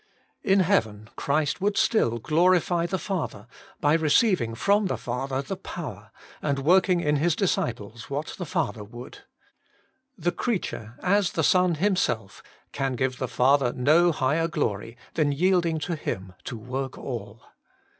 In heaven Christ would still glorify the Father, by receiving from the Father the power, and working in His dis ciples what the Father would. The crea ture, as the Son Himself can give the Father no higher glory than yielding to Him to work all.